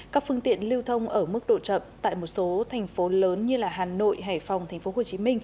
các phương tiện lưu thông ở mức độ chậm tại một số thành phố lớn như hà nội hải phòng tp hcm